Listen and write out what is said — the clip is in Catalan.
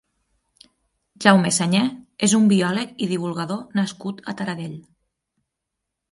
Jaume Sañé és un biòleg i divulgador nascut a Taradell.